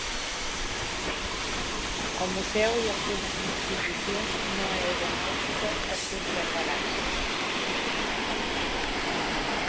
El museu i algunes institucions no aeronàutiques es conservaran.